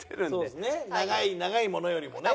長い長いものよりもね。